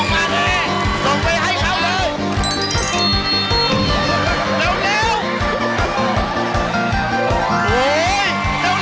กระจานกระจานเร็วเร็ว